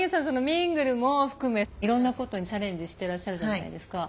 ミングルも含めいろんなことにチャレンジしていらっしゃるじゃないですか。